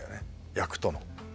役との。